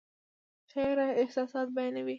شاعر احساسات بیانوي